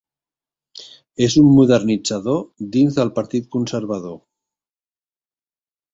És un modernitzador dins del Partit Conservador.